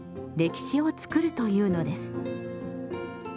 歴史を作るというのです。